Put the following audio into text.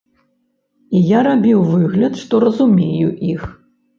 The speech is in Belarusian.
І я рабіў выгляд, што разумею іх.